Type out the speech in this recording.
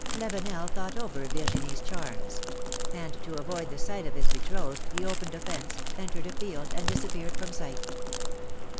LaA^enel thought over Yirginie's charms; and to avoid the sight of his betrothed, he opened a fence, entered a field, and disappeared from sight.